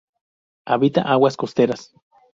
Habita aguas costeras.